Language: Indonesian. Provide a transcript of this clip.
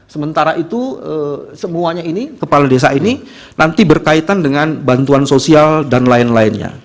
sementara itu semuanya ini kepala desa ini nanti berkaitan dengan bantuan sosial dan lain lainnya